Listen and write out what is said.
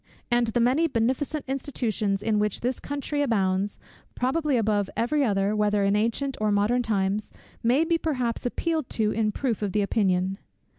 And the many beneficent institutions in which this country abounds, probably above every other, whether in ancient or modern times, may be perhaps appealed to in proof of the opinion.